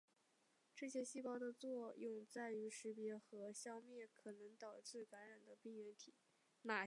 这些细胞的作用在于识别和消灭可能导致感染的病原体。